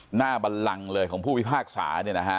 บันลังเลยของผู้พิพากษา